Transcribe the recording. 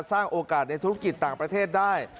สร้างโอกาสในธุรกิจต่างประเทศได้